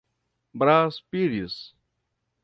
Brás Pires